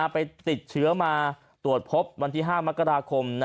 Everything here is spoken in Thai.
ไปติดเชื้อมาตรวจพบวันที่๕มกราคม